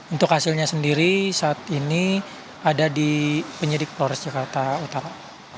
untuk hasilnya sendiri saat ini ada di penyidik polres jakarta utara